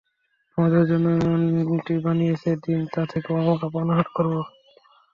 আমাদের জন্যও এমনটি বানিয়ে দিন, তা থেকে আমরা পানাহার করব।